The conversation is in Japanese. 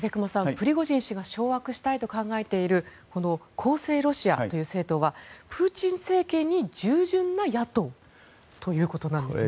プリゴジン氏が掌握したいと考えているこの公正ロシアという政党はプーチン政権に従順な野党ということなんですね。